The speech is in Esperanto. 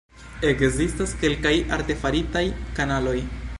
Ekzistas kelkaj artefaritaj kanaloj.